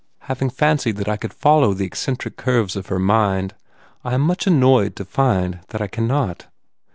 Having fancied that I could follow the eccentric curves of her mind I am much annoyed to find that I can not.